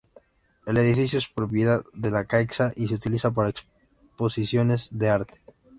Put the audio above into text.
El edificio es propiedad de La Caixa y se utiliza para exposiciones de arte.